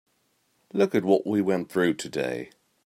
Look at what we went through today.